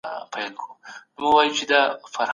خلګ بايد له خپلو حقونو خبر وي.